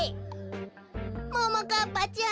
ももかっぱちゃん